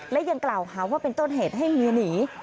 และยังกล่าวหาว่าเป็นต้นเหตุให้เมียหนี